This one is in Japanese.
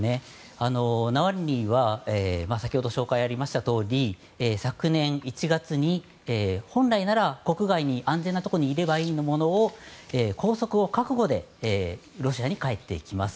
ナワリヌイは先ほど紹介がありましたとおり昨年１月に本来なら国外安全なところにいればいいものを拘束を覚悟でロシアに帰っていきます。